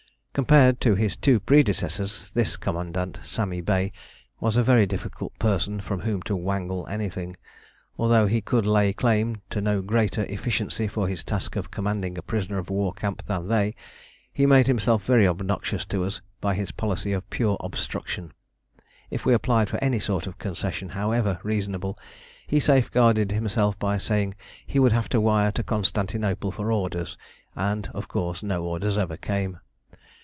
Compared to his two predecessors, this commandant, Sami Bey, was a very difficult person from whom to "wangle" anything. Although he could lay claim to no greater efficiency for his task of commanding a prisoner of war camp than they, he made himself very obnoxious to us by his policy of pure obstruction. If we applied for any sort of concession, however reasonable, he safeguarded himself by saying he would have to wire to Constantinople for orders, and of course no orders ever came.